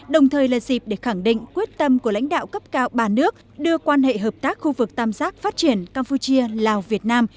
đồng thời là dịp để khẳng định quyết tâm của lãnh đạo cấp cao ba nước đưa quan hệ hợp tác khu vực tam giác phát triển campuchia lào việt nam